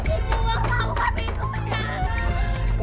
ibu bawa buka pintunya